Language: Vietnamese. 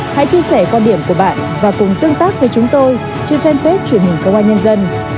hãy chia sẻ quan điểm của bạn và cùng tương tác với chúng tôi trên fanpage truyền hình công an nhân dân